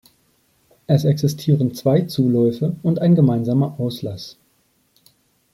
Es existieren zwei Zuläufe und ein gemeinsamer Auslass.